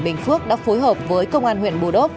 bình phước đã phối hợp với công an huyện bù đốc